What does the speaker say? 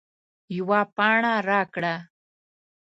یوه پاڼه راکړه